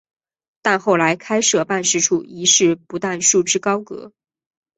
但后来开设办事处一事不但束之高阁。